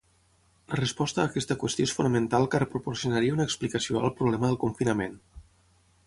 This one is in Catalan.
La resposta a aquesta qüestió és fonamental car proporcionaria una explicació al problema del confinament.